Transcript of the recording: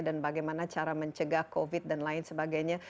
dan bagaimana cara mencegah covid dan lain sebagainya